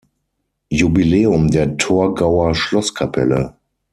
Jubiläum der Torgauer Schlosskapelle.